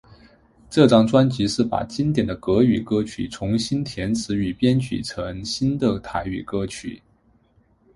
这张专辑是把经典的国语歌曲重新填词与编曲成新的台语歌曲。